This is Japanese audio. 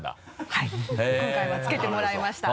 はい今回は付けてもらいました。